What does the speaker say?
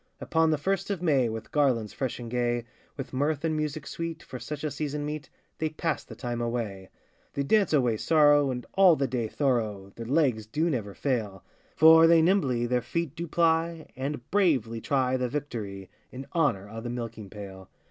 Upon the first of May, With garlands, fresh and gay, With mirth and music sweet, for such a season meet, They pass the time away. They dance away sorrow, and all the day thorough Their legs do never fail, For they nimbly their feet do ply, And bravely try the victory, In honour o' the milking pail.